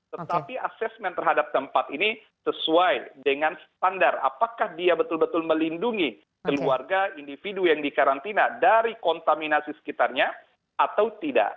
tetapi asesmen terhadap tempat ini sesuai dengan standar apakah dia betul betul melindungi keluarga individu yang dikarantina dari kontaminasi sekitarnya atau tidak